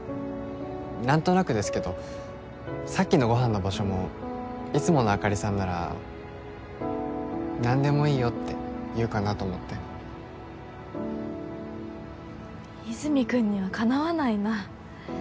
何となくですけどさっきのご飯の場所もいつものあかりさんなら何でもいいよって言うかなと思って和泉君にはかなわないな